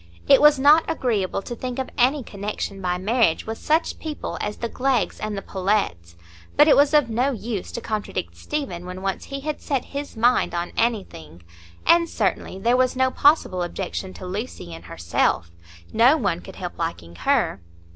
It was not agreeable to think of any connection by marriage with such people as the Gleggs and the Pullets; but it was of no use to contradict Stephen when once he had set his mind on anything, and certainly there was no possible objection to Lucy in herself,—no one could help liking her.